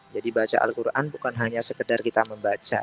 jadi baca al quran bukan hanya sekedar kita membaca